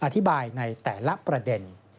อธิบายในแต่ละประเด็น